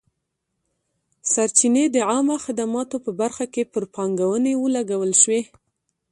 سرچینې د عامه خدماتو په برخه کې پر پانګونې ولګول شوې.